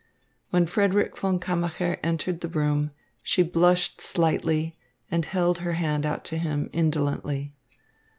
When Frederick von Kammacher entered the room, she blushed slightly, and held her hand out to him indolently.